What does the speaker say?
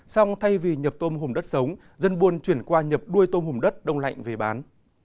xong thay vì nhập tôm hùm đất sống dân buôn chuyển qua nhập đuôi tôm hùm đất đông lạnh về bán